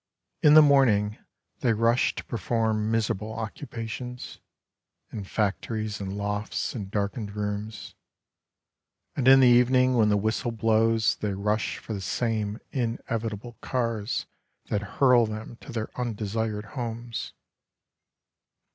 In the morning they rush to perform miserable oc cupations In factories and lofts and darkened rooms; And in the evening when the whistle blows They rush for the same inevitable cars That hurl them to their undesired homes.